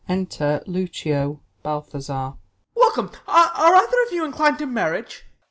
Enter Lucio, Balthazar. Ben. Welcome ! are either of you inclin'd to marriage